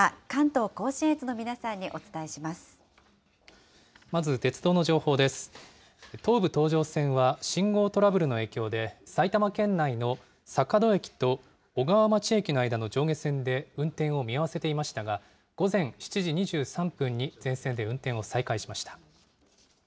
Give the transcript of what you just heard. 東武東上線は信号トラブルの影響で、埼玉県内の坂戸駅と小川町駅の間の上下線で運転を見合わせていましたが、午前７時２３分に全線で運転を再開しました。